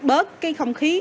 để bớt cái không khí